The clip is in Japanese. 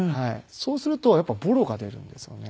そうするとやっぱりぼろが出るんですよね。